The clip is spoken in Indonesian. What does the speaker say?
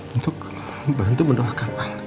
untuk bantu mendoakan